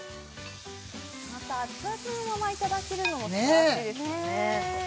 また熱々のままいただけるのもすばらしいですよね